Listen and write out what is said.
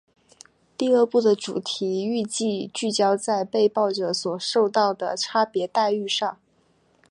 第二部的主题预计聚焦在被爆者所受到的差别待遇上。